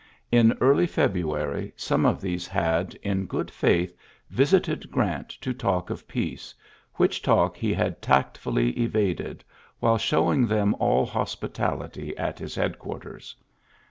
In early February some of these had, in good Mth, visited Grant to talk of ^ peace, which talk he had tactftilly evaded, while showing them all hospi tality at his headquarters.